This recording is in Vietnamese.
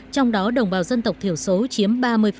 trong đó đồng bào dân tộc thiểu số chiếm ba mươi